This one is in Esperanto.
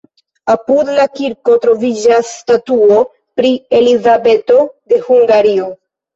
Apud la kirko troviĝas statuo pri Elizabeto de Hungario.